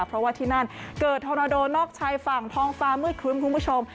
เพราะว่าที่นั่นเกิดธอนาโดนอกชายฝั่งท้องฟ้ามืดครึ้มคุณผู้ชม